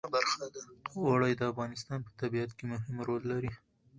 اوړي د افغانستان په طبیعت کې مهم رول لري.